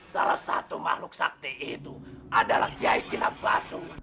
salah satu makhluk sakti itu adalah kiai kinabasu